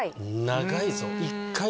長いぞ。